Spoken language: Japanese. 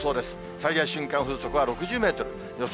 最大瞬間風速は６０メートル、予想